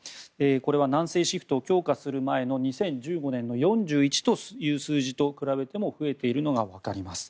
これは南西シフトを強化する前の２０１５年の４１という数字と比べても増えているのが分かります。